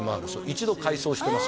一度改装してます